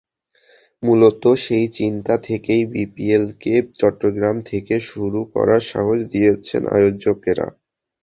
মূলত সেই চিন্তা থেকেই বিপিএলকে চট্টগ্রাম থেকে শুরু করার সাহস দেখিয়েছেন আয়োজকেরা।